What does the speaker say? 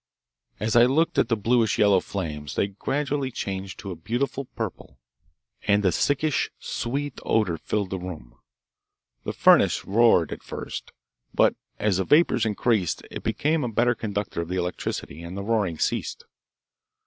As I looked at the bluish yellow flames they gradually changed to a beautiful purple, and a sickish sweet odour filled the room. The furnace roared at first, but as the vapors increased it became a better conductor of the electricity, and the roaring ceased.